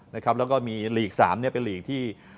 แล้วก็มีหลีก๓เป็นลีกที่